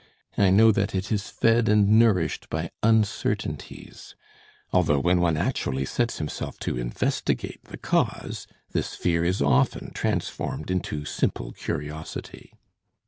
I know that it is fed and nourished by uncertainties, although when one actually sets himself to investigate the cause, this fear is often transformed into simple curiosity.